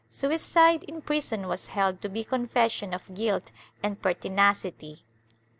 Suicide in prison was held to be confession of guilt and pertinacity.